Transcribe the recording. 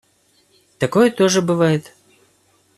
Такое тоже бывает.